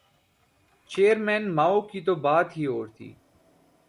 Chairman Mao کی تو بات ہی اور تھی۔